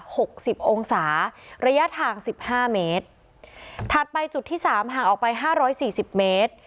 หกสิบองศาระยะทางสิบห้าเมตรถัดไปจุดที่สามห่างออกไปห้าร้อยสี่สิบเมตร